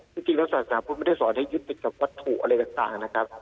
จริงแล้วศาสนาพุทธไม่ได้สอนให้ยึดติดกับวัตถุอะไรต่างนะครับ